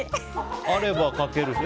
あればかけるし。